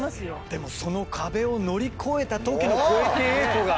でもその壁を乗り越えたときの小池栄子が。